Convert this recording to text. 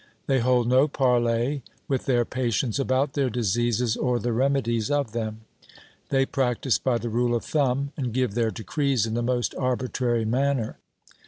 They hold no parley with their patients about their diseases or the remedies of them; they practise by the rule of thumb, and give their decrees in the most arbitrary manner.